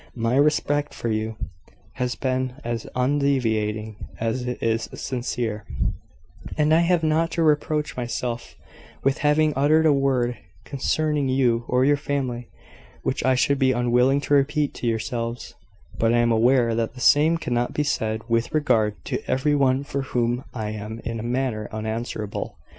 My respect for you has been as undeviating as it is sincere; and I have not to reproach myself with having uttered a word concerning you or your family which I should be unwilling to repeat to yourselves: but I am aware that the same cannot be said, with regard to every one for whom I am in a manner answerable.